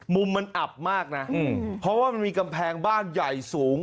มุมมันอับมากนะเพราะว่ามันมีกำแพงบ้านใหญ่สูง